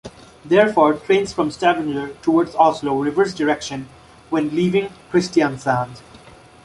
Therefore, trains from Stavanger towards Oslo reverse direction when leaving Kristiansand.